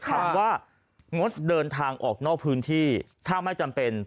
คำว่างดเดินทางออกนอกพื้นที่ถ้าไม่จำเป็น